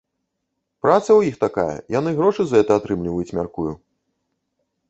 Праца ў іх такая, яны грошы за гэта атрымліваюць, мяркую.